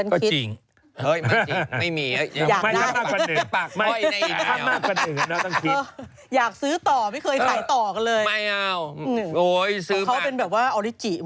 เขาเป็นแบบว่าเอิลลิติ